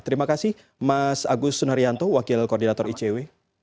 terima kasih mas agus sunaryanto wakil koordinator icw